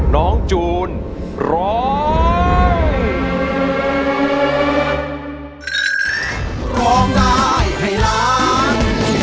ร้องได้ให้ร้าน